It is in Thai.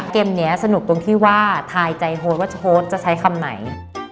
เกมนี้สนุกตรงที่ว่าทายใจโฮดว่าโฮสจะใช้คำไหน